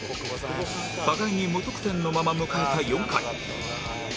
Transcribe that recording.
互いに無得点のまま迎えた４回